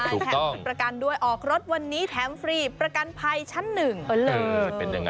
ประกันด้วยออกรถวันนี้แทมพ์ฟรีประกันภัยชั้น๑